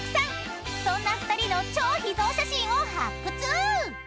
［そんな２人の超秘蔵写真を発掘！］